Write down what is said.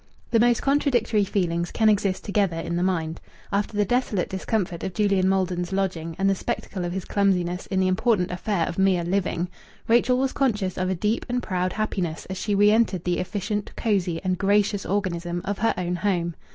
The most contradictory feelings can exist together in the mind. After the desolate discomfort of Julian Maldon's lodging and the spectacle of his clumsiness in the important affair of mere living, Rachel was conscious of a deep and proud happiness as she re entered the efficient, cosy, and gracious organism of her own home.